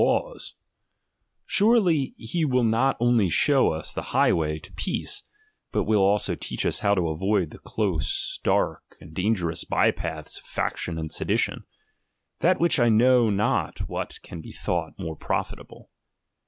3 XIV THE PRKFACE laws : surely he will not only show us the highway to peace, but will also teach us how to avoid the dose, dark, and dangerous by paths of faction and sedition ; than which I know not what can be thought more profitable.